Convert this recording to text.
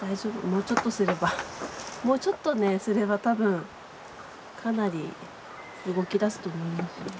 もうちょっとすればもうちょっとねすれば多分かなり動きだすと思いますよ。